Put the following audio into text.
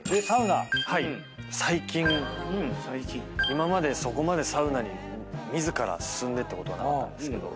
今までそこまでサウナに自ら進んでってことはなかったんですけど。